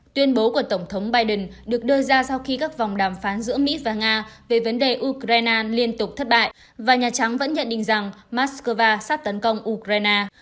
tuyên bố của tổng thống biden được đưa ra sau khi các vòng đàm phán giữa mỹ và nga về vấn đề ukraine liên tục thất bại và nhà trắng vẫn nhận định rằng moscow sắp tấn công ukraine